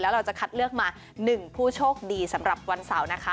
เราจะคัดเลือกมา๑ผู้โชคดีสำหรับวันเสาร์นะคะ